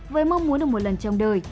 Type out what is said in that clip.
với mong muốn được một lần trong đời